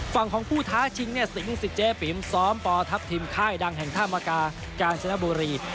ฝั่งของผู้ท้าชิงเนี่ยสิงศิษย์เจปริมซ้อมป่อทับทีมค่ายดังแห่งธามากากาญชนบุรี